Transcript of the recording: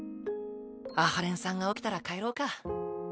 阿波連さんが起きたら帰ろうか。